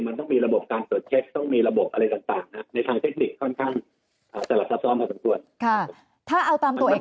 มันต้องมีระบบการตรวจเช็คต้องมีระบบอะไรต่างในทางเทคนิคค่อนข้างสลับซับซ้อนพอสมควร